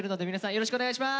よろしくお願いします。